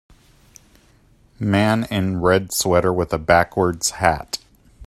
Man in red sweater with a backwards hat.